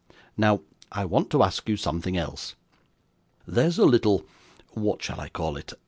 Now, I want to ask you something else. There's a little what shall I call it?